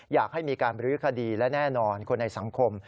อยากให้มีการบรื้อคดีและแน่นอนคนในสังคม